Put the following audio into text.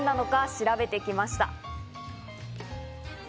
調べてきました。